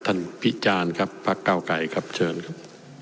ท่านพี่จานครับพระเก้าไก่ครับเชิญครับ